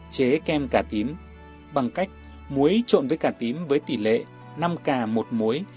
chế kem cà tím bằng cách muối trộn với cà tím với tỷ lệ năm cà một muối